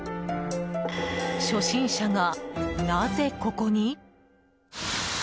初心者が、なぜここに？